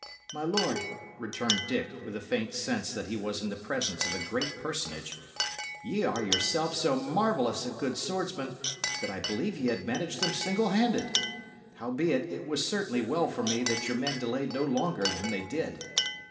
"My lord," returned Dick, with a faint sense that he was in the presence of a great personage, "ye are yourself so marvellous a good swordsman that I believe ye had managed them single handed. Howbeit, it was certainly well for me that your men delayed no longer than they did."